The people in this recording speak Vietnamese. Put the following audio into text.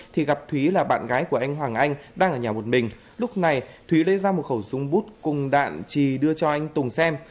thì gặp thúy là bạn gái của anh hoàng anh đang ở nhà một mình lúc này thúy lấy ra một khẩu súng bút cùng đạn trì đưa cho anh tùng xem